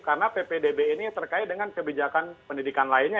karena ppdb ini terkait dengan kebijakan pendidikan lainnya